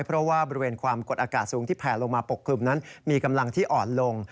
เพราะว่าบริเวณความกดอากาศสูงที่แผลลงมาปกคลุมนั้นมีกำลังที่อ่อนลง